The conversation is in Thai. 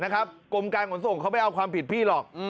กรมการขนส่งเขาไม่เอาความผิดพี่หรอก